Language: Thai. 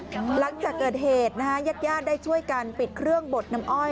หลังจากเกิดเหตุนะฮะญาติญาติได้ช่วยกันปิดเครื่องบดน้ำอ้อย